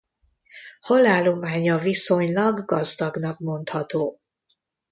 Halállománya viszonylag gazdagnak mondható.